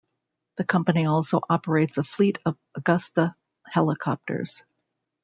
The company also operates a fleet of Agusta Helicopters.